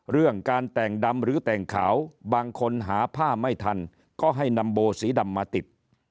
เรื่องการแต่งดำหรือแต่งขาวบางคนหาผ้าไม่ทันก็ให้นำโบสีดำมาติด